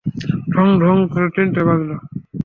ঢং ঢং করে তিনটে বাজল।